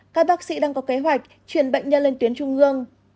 các bác sĩ đang có kế hoạch chuyển bệnh nhân lên tuyến trung ương